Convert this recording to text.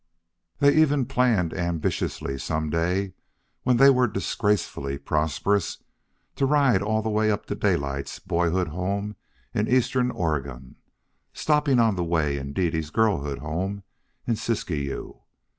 They even planned ambitiously some day when they were disgracefully prosperous, to ride all the way up to Daylight's boyhood home in Eastern Oregon, stopping on the way at Dede's girlhood home in Siskiyou.